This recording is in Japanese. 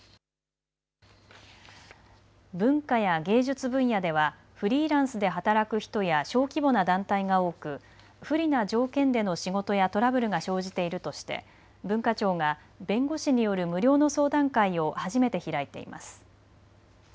文化や芸術分野ではフリーランスで働く人や小規模な団体が多く不利な条件での仕事やトラブルが生じているとして文化庁が弁護士による無料の相談会を初めて開いています。